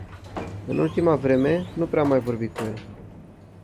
În ultima vreme nu prea am mai vorbit cu el.